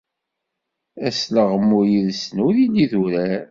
Asleɣmu yid-sen ur yelli d urar.